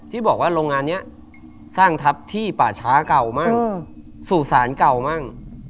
ที่บอกว่าโรงงานนี้สร้างทัพที่ป่าช้าเก่ามั่งสู่ศาลเก่ามั่ง